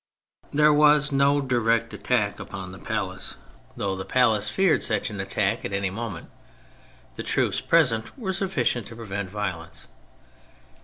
There was no direct attack upon the palace, though the palace feared such an attack at any moment. The troops present were suffi cient to prevent violence.